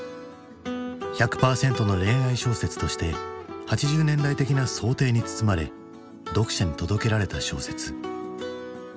「１００パーセントの恋愛小説！」として８０年代的な装丁に包まれ読者に届けられた小説。